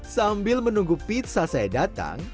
sambil menunggu pizza saya datang